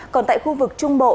còn tại khu vực trung bộ